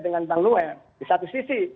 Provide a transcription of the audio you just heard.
dengan bang noel di satu sisi